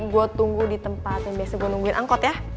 gue tunggu di tempat yang biasa gue nungguin angkot ya